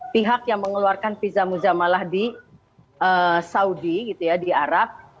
pihak yang mengeluarkan visa muzamalah di saudi gitu ya di arab